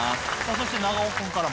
そして長尾君からも。